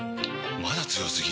まだ強すぎ？！